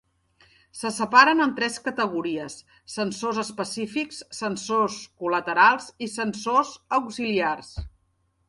Se separen en tres categories: sensors específics, sensors col·laterals i sensors auxiliars.